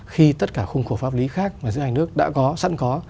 khi tất cả khung khổ pháp lý khác mà dự án nước đã có sẵn có